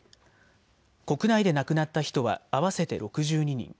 国内で亡くなった人は合わせて６２人。